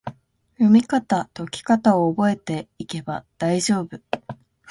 読みかた・解きかたを覚えていけば大丈夫！